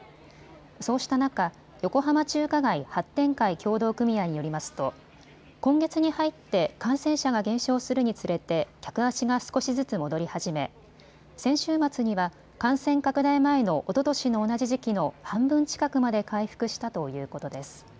そうした中、横浜中華街発展会協同組合によりますと今月に入って感染者が減少するにつれて客足が少しずつ戻り始め先週末には感染拡大前のおととしの同じ時期の半分近くまで回復したということです。